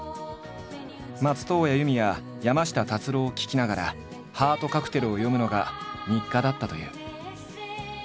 松任谷由実や山下達郎を聴きながら「ハートカクテル」を読むのが日課だったという。